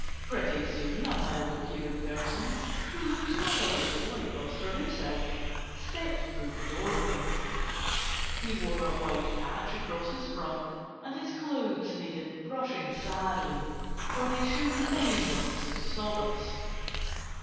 Pretty soon a mild appearing person, who looked not a little like Buster himself, stepped through the doorway. He wore a white patch across his front and his clothes needed brushing sadly, for they showed many marks of sawdust.